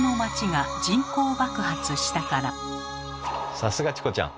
さすがチコちゃん。